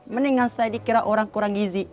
mendingan saya dikira orang kurang gizi